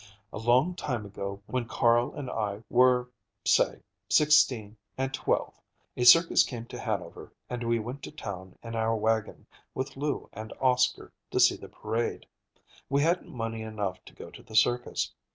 A long time ago, when Carl and I were, say, sixteen and twelve, a circus came to Hanover and we went to town in our wagon, with Lou and Oscar, to see the parade. We hadn't money enough to go to the circus.